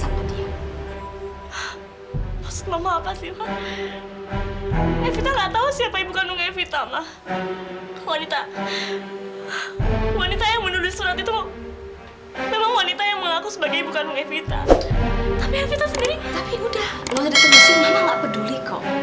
bener gak peduli